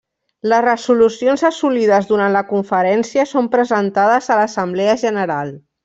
Les resolucions assolides durant la conferència són presentades a l'Assemblea General.